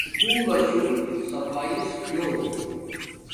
سکول لشو صفایس جو